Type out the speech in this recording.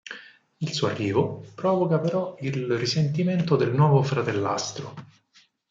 Il suo arrivo provoca però il risentimento del nuovo fratellastro.